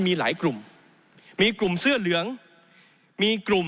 มีหลายกลุ่ม